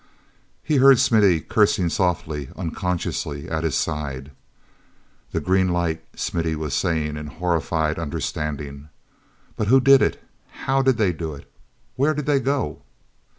He heard Smithy cursing softly, unconsciously, at his side. "The green light," Smithy was saying in horrified understanding. "But who did it? How did they do it? Where did they go?"